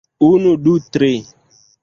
Unu... du... tri...